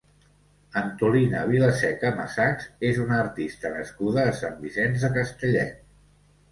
Antolina Vilaseca Masachs és una artista nascuda a Sant Vicenç de Castellet.